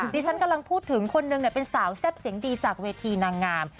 ดิฉันกำลังพูดถึงคนนึงเป็นสาวแซ่บเสียงดีจากเวทีนางงาม